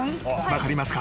分かりますか？